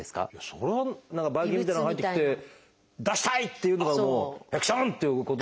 それはばい菌みたいなのが入ってきて出したい！っていうのがもうハクション！ということじゃないんですか？